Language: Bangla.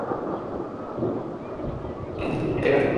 ধন্যবাদ আমার ভাঙ্গাচুরা সাব দিয়ে মুভিটি দেখার জন্য।